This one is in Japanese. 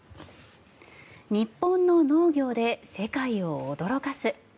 日本の農業で世界を驚かす。